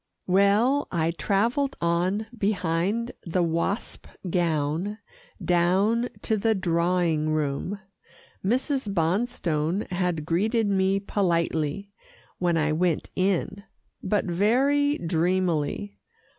Well, I travelled on behind the wasp gown down to the drawing room. Mrs. Bonstone had greeted me politely, when I went in, but very dreamily.